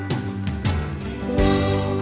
kayaknya yang nanti di magnum magnum gitu